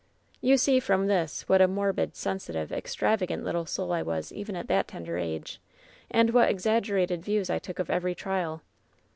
"You see from this what a morbid, sensitive, extrava gant little soul I was even at that tender age, and what exaggerated views I took of every trial.